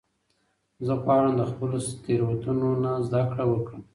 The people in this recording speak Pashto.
زه غواړم د خپلو تیروتنو نه زده کړه وکړم.